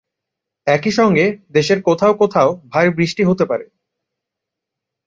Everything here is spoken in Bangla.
একই সঙ্গে দেশের কোথাও কোথাও ভারী বৃষ্টি হতে পারে।